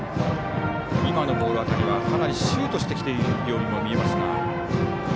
今のボールはかなりシュートしているように見えました。